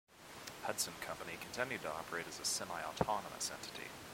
Hudson Company continued to operate as a semiautonomous entity.